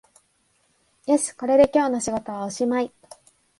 よし、これで今日の仕事はおしまい